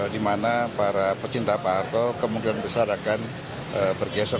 di mana para pecinta pak harto kemungkinan besar akan bergeser